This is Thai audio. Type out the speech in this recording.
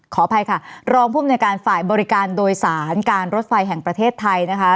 ขออภัยค่ะรองภูมิในการฝ่ายบริการโดยสารการรถไฟแห่งประเทศไทยนะคะ